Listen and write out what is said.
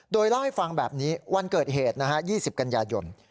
โดยเล่าให้ฟังแบบนี้วันเกิดเหตุนะฮะยี่สิบกันยายน